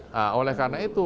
nah oleh karena itu